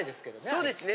そうですね。